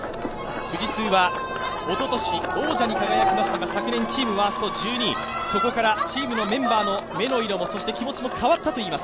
富士通はおととし王者に輝きましたが昨年チームワースト１２位、そこからチームのメンバーの目の色もそして気持ちも変わったといいます。